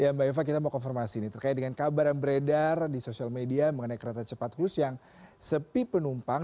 ya mbak eva kita mau konfirmasi nih terkait dengan kabar yang beredar di sosial media mengenai kereta cepat hus yang sepi penumpang